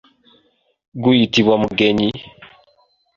Guyitibwa mugenyi.